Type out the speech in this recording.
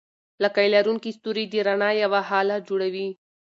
لکۍ لرونکي ستوري د رڼا یوه هاله جوړوي.